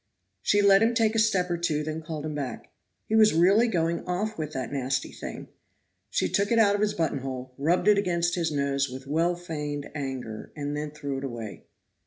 She let him take a step or two, then called him back. "He was really going off with that nasty thing." She took it out of his buttonhole, rubbed it against his nose with well feigned anger and then threw it away.